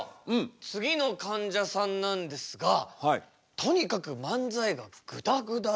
次のかんじゃさんなんですがとにかく漫才がグダグダだそうで。